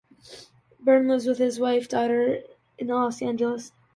Bern lives with his wife and daughter in Los Angeles.